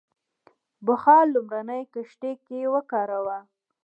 بخار لومړنۍ کښتۍ کې وکاراوه.